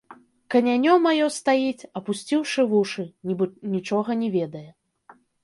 Канянё маё стаіць, апусціўшы вушы, нібы нічога не ведае.